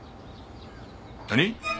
何！？